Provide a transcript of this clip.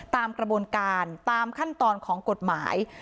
ตามกระบวนการตามขั้นตอนของกฎหมาย